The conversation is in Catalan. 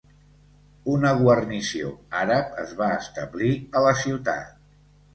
Una guarnició àrab es va establir a la ciutat.